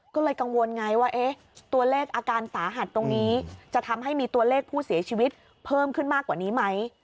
ก็เลยกังวลไงว่าตัวเลขอาการสาหัสตรงนี้จะทำให้มีตัวเลขผู้เสียชีวิตเพิ่มขึ้นมากกว่านี้ไหม